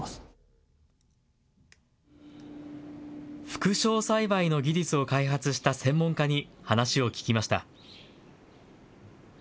副梢栽培の技術を開発した専門家に話を聞きました。